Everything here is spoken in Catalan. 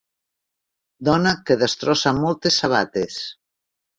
Dona que destrossa moltes sabates.